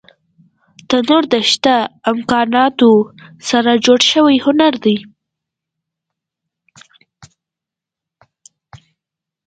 تنور د شته امکاناتو سره جوړ شوی هنر دی